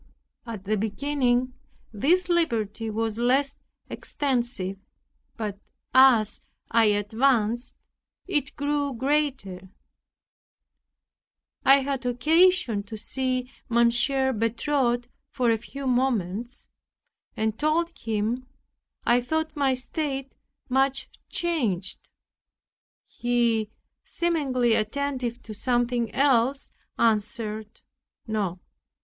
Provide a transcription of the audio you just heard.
At the beginning, this liberty was less extensive; but as I advanced it grew greater. I had occasion to see Mon. Bertot for a few moments, and told him, I thought my state much changed. He, seemingly attentive to something else, answered, "No."